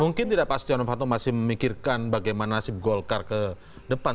mungkin tidak pak setia novanto masih memikirkan bagaimana nasib golkar ke depan